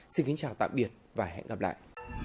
xin kính chào tạm biệt và hẹn gặp lại